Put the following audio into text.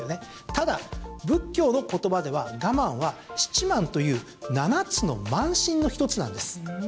ただ、仏教の言葉では我慢は、七慢という７つの慢心の１つなんです。